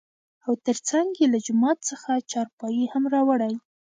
او تر څنګ يې له جومات څخه چارپايي هم راوړى .